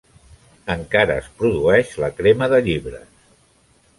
Encara es produeix la crema de llibres.